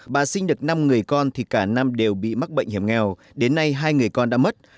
bà sinh được năm người con thì cả năm đều bị mắc bệnh hiểm nghèo đến nay hai người con đã mất